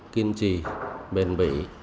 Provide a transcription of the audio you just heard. kiên trì bền bỉ